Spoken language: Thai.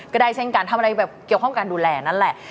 ก็ได้เช่นการทำอะไรแบบเกี่ยวข้องการดูแลนั่นแหละ